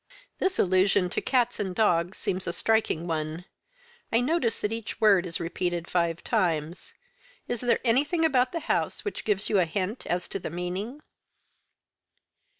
"This allusion to cats and dogs seems a striking one. I notice that each word is repeated five times. Is there anything about the house which gives you a hint as to the meaning?"